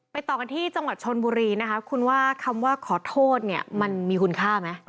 ต่อกันที่จังหวัดชนบุรีนะคะคุณว่าคำว่าขอโทษเนี่ยมันมีคุณค่าไหม